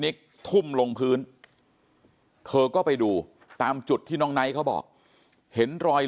ทุ่มลงพื้นเธอก็ไปดูตามจุดที่น้องไนท์เขาบอกเห็นรอย